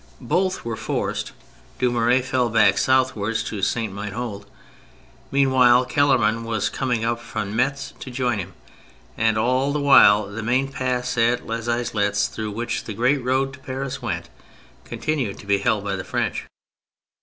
Both were forced. Dumouriez fell back southward to St. Menehould. Meanwhile Kellermann was coming up from Metz to join him, and all the while the main pass at " Les Islettes," through which the great road to Paris went, continued to be held by the French.